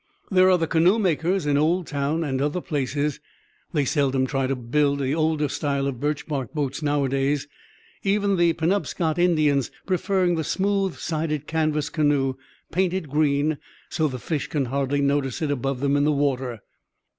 There are the canoe makers in Oldtown and other places; they seldom try to build the older style of birch bark boats nowadays, even the Penobscot Indians preferring the smooth sided canvas canoe, painted green, so the fish can hardly notice it above them in the water.